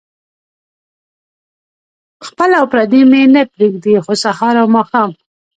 خپل او پردي مې نه پرېږدي خو سهار او ماښام.